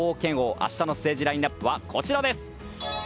明日のステージラインアップはこちらです。